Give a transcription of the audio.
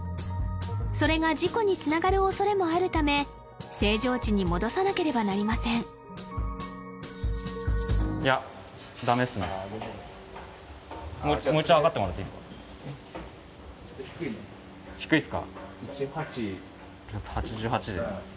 それが事故につながる恐れもあるため正常値に戻さなければなりません低いっすか？